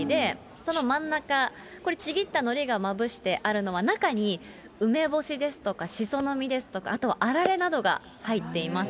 その真ん中、これ、ちぎったのりがまぶしてあるのは、あるのは、中に梅干しですとか、しその実ですとか、あとはあられなどが入っています。